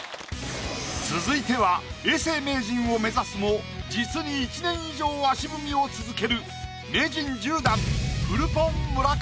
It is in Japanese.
続いては永世名人を目指すも実に１年以上足踏みを続ける名人１０段フルポン村上。